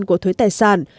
của thuế tài sản